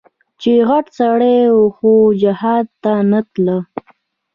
چې غټ سړى و خو جهاد ته نه ته.